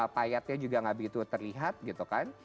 payatnya juga nggak begitu terlihat gitu kan